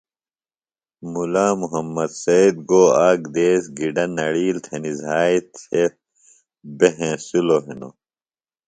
مُلا محمد سید گو آک دیس گِڈہ نڑیل تھنیۡ زھائی تھےۡ بےۡ ہینسِلوۡ ہِنوۡ